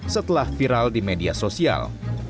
setelah viral di media sosial